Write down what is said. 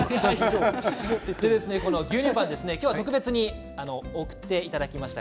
牛乳パンは、特別に送っていただきました